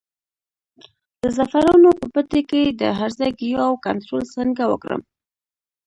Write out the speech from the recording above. د زعفرانو په پټي کې د هرزه ګیاوو کنټرول څنګه وکړم؟